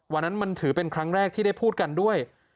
วันนั้นมันถือเป็นครั้งแรกที่ได้พูดกันด้วย